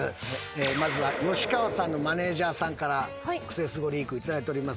まずは吉川さんのマネジャーさんからクセスゴリーク頂いております。